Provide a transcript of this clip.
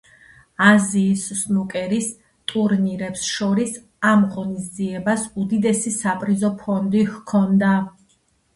აზიის სნუკერის ტურნირებს შორის ამ ღონისძიებას უდიდესი საპრიზო ფონდი ჰქონდა.